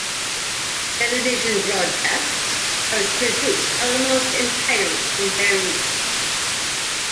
Television broadcasts are produced almost entirely in Berlin.